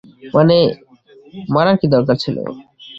মানে, মারার কি দরকার ছিল?